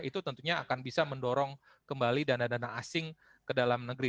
itu tentunya akan bisa mendorong kembali dana dana asing ke dalam negeri